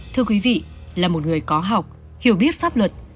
thưa quý vị là một người có học hiểu biết pháp luật